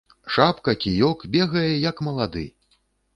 Шапка, кіёк, бегае як малады.